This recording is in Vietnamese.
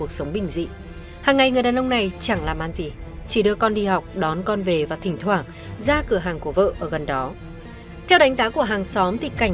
xin chào và hẹn gặp lại